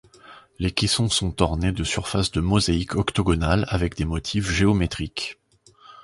Les caissons sont ornés de surfaces de mosaïque octogonales avec des motifs géométriques.